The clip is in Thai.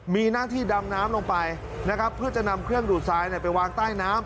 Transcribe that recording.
มีหน้าที่ดำน้ำลงไปนะครับเพื่อจะนำเครื่องดูดทรายไปวางใต้น้ำ